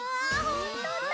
ほんとうだ！